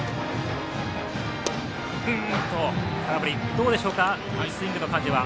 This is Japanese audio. どうでしょうかスイングの感じは。